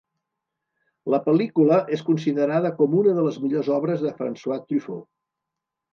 La pel·lícula és considerada com una de les millors obres de François Truffaut.